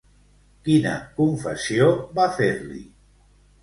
Quina confessió va fer-li?